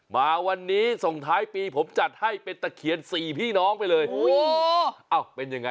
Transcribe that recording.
มาวันนี้ส่งท้ายปีผมจัดให้เป็นตะเคียนสี่พี่น้อง